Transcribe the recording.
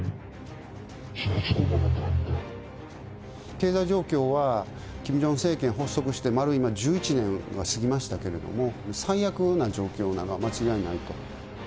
経済状況は、キム・ジョンウン政権発足して丸、今１１年は過ぎましたけども、最悪な状況なのは間違いないと。